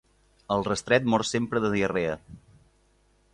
El restret mor sempre de diarrea.